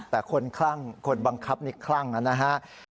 แต่คนคลั่งคนบังคับนี่คลั่งนะครับ